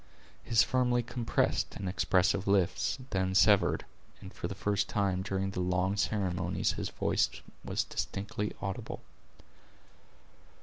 His firmly compressed and expressive lips then severed, and for the first time during the long ceremonies his voice was distinctly audible.